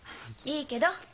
いいけど。